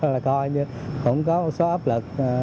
là coi như cũng có một số áp lực